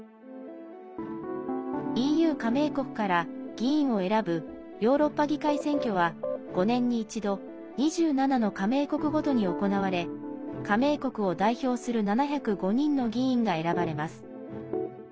ＥＵ加盟国から議員を選ぶヨーロッパ議会選挙は５年に１度２７の加盟国ごとに行われ加盟国を代表する７０５人の議員が選ばれます。